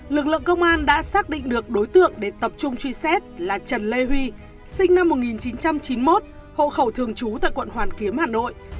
lực lượng công an đã xác định được đối tượng để tập trung truy xét là trần lê huy sinh năm một nghìn chín trăm chín mươi một hộ khẩu thường trú tại quận hoàn kiếm hà nội